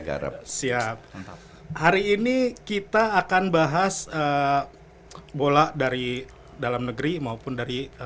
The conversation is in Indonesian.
garap siap hari ini kita akan bahas bola dari dalam negeri maupun dari